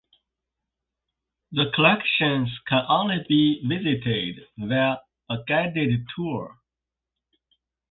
The collections can only be visited via a guided tour.